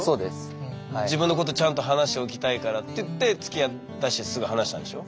自分のことちゃんと話しておきたいからっていってつきあったしすぐ話したんでしょ？